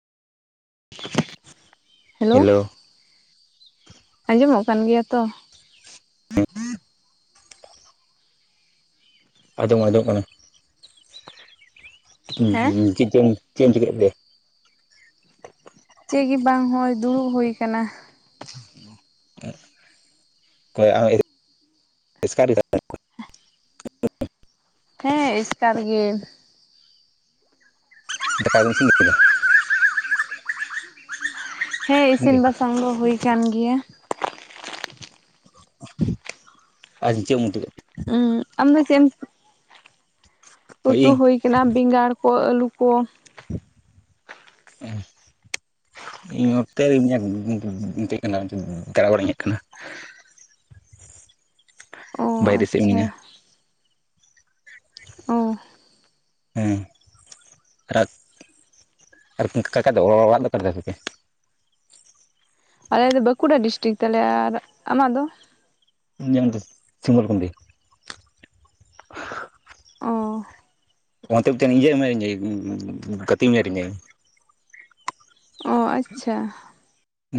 Hello ᱟᱸᱡᱚᱢᱚᱠ ᱠᱟᱱ ᱜᱮᱭᱟ ᱛᱚ ᱟᱸᱡᱚᱢ ᱟᱫᱚᱢ ᱠᱟᱱᱟ [unintelligible] ᱦᱮᱸ ᱪᱮᱫ ᱮᱢ ᱪᱤᱠᱟᱹᱭ ᱮᱫ ᱛᱮ ᱪᱮᱫ ᱜᱮ ᱵᱟᱝ ᱦᱚᱭ ᱫᱩᱲᱩᱵ ᱦᱩᱭ ᱟᱠᱟᱱᱟ ᱾ [unintelligible] ᱚᱠᱚᱭ [inaudible] ᱦᱮᱸ ᱮᱥᱠᱟᱨ ᱜᱮ ᱫᱟᱠᱟ ᱠᱚᱢ ᱤᱥᱤᱱ ᱠᱮᱫᱟ ᱦᱮᱸ ᱤᱥᱤᱱ ᱵᱟᱥᱟᱝ ᱫᱚ ᱦᱩᱭ ᱟᱠᱟᱱ ᱜᱮᱭᱟ ᱾ ᱟ ᱪᱮᱫ ᱮᱢ ᱩᱛᱩ ᱠᱮᱫ ᱛᱮ ᱟᱢᱫᱚ ᱪᱮ ᱚᱠᱚᱭ ᱩᱛᱩ ᱤᱧ ᱦᱩᱭ ᱠᱟᱱᱟ ᱵᱮᱸᱜᱟᱲ ᱠᱚ ᱟᱹᱞᱩ ᱠᱚ ᱦ [unintelligible] ᱤᱧ ᱚᱠᱛᱮ ᱨᱮ [unintelligible] ᱤᱧ ᱦᱮᱡ ᱟᱠᱟᱱᱟ [unintelligible] [inaudible] ᱵᱟᱭᱨᱮ ᱥᱮᱫ ᱟᱪᱪᱷᱟ ᱢᱤᱱᱟᱹᱧᱟ ᱾ ᱚ ᱦᱮᱸ ᱟᱨᱟᱜ ᱟᱨ ᱠᱟᱠᱟ ᱫᱚ ᱚᱲᱟᱜ ᱫᱚᱠᱟ ᱫᱚᱠᱮ [unintelligible] ᱟᱞᱮ ᱫᱚ ᱵᱟᱸᱠᱩᱲᱟ ᱰᱤᱥᱴᱤᱠ ᱛᱟᱞᱮ ᱟᱨ ᱟᱢᱟᱜ ᱫᱚ? [unintelligible] ᱚ ᱚᱱᱛᱮᱛᱮ [unintelligible] ᱜᱟᱛᱮ ᱮᱢᱟᱭᱛᱮᱧᱟ [unintelligible] ᱚ ᱟᱪᱪᱷᱟ ᱾